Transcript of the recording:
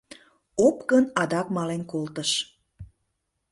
Опкын адак мален колтыш.